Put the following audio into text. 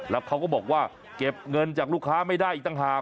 แล้วเขาก็บอกว่าเก็บเงินจากลูกค้าไม่ได้อีกต่างหาก